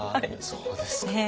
そうですか。